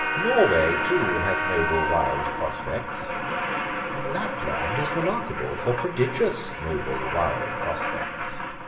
Norway, too, has noble wild prospects; and Lapland is remarkable for prodigious noble wild prospects.